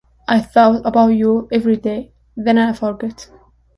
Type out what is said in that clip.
I thought about you every day then I forgot.